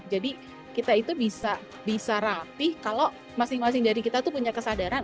jadi kita itu bisa rapih kalau masing masing dari kita itu punya kesadaran